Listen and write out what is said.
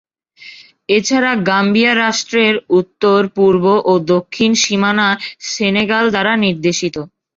এছাড়া গাম্বিয়া রাষ্ট্রের উত্তর, পূর্ব ও দক্ষিণ সীমানা সেনেগাল দ্বারা নির্দেশিত।